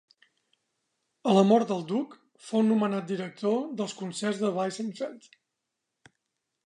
A la mort del duc, fou nomenat director dels concerts de Weissenfels.